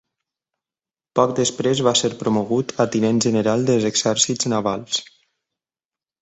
Poc després va ser promogut a Tinent-General dels exercits navals.